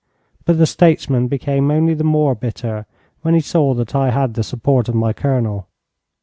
But the statesman became only the more bitter when he saw that I had the support of my Colonel.